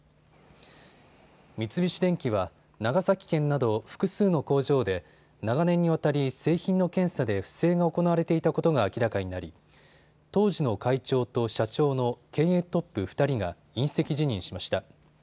三菱電機は長崎県など複数の工場で長年にわたり製品の検査で不正が行われていたことが明らかになり当時の会長と社長の経営トップ２人が引責辞任しました。